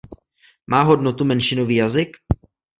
Má hodnotu menšinový jazyk?